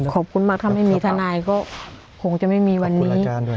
ขอบคุณมากถ้าไม่มีทนายก็คงจะไม่มีวันนี้